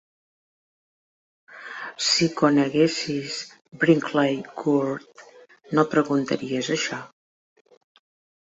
Si coneguessis Brinkley Court, no preguntaries això.